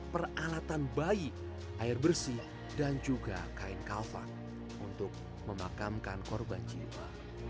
peralatan bayi air bersih dan juga kain kalva untuk memakamkan korban jiwa